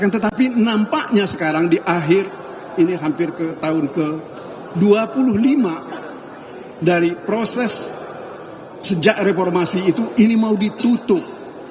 tetapi nampaknya sekarang di akhir ini hampir ke tahun ke dua puluh lima dari proses sejak reformasi itu ini mau ditutup